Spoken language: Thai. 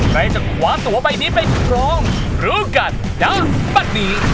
ใครจะขวาตัวใบนี้ไปทรองหรือกันนะปะดี